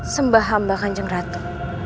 sembah hamba kanjeng ratu